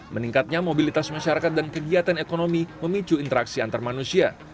meningkatnya mobilitas masyarakat dan kegiatan ekonomi memicu interaksi antar manusia